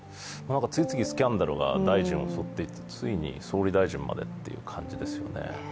次々スキャンダルが大臣を襲ってついに総理大臣までっていう感じですよね。